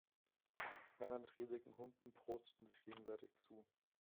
Männer mit riesigen Humpen prosteten sich gegenseitig zu.